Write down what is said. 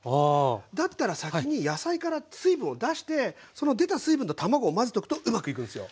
だったら先に野菜から水分を出してその出た水分と卵を混ぜとくとうまくいくんすよ。